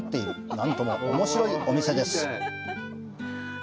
なんともおもしろいお店です。